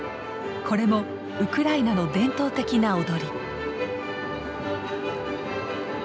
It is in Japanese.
これもウクライナの伝統的な踊り。